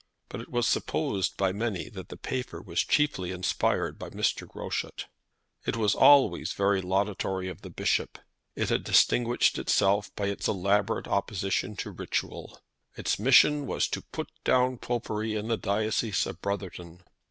But it was supposed by many that the paper was chiefly inspired by Mr. Groschut. It was always very laudatory of the Bishop. It had distinguished itself by its elaborate opposition to ritual. Its mission was to put down popery in the diocese of Brotherton.